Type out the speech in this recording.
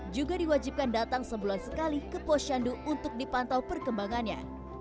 juga diwajibkan datang sebulan sekali ke posyandu untuk dipantau perkembangannya